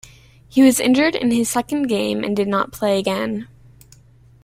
He was injured in his second game and did not play again.